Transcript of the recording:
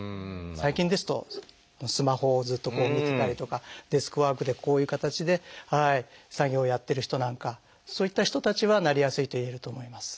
最近ですとスマホをずっと見てたりとかデスクワークでこういう形で作業をやってる人なんかはそういった人たちはなりやすいといえると思います。